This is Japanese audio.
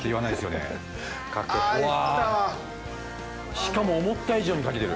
しかも思った以上にかけてる。